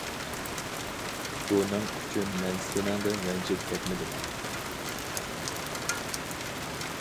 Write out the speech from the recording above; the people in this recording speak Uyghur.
بۇنىڭ ئۈچۈن مەن سېنىڭدىن رەنجىپ كەتمىدىم.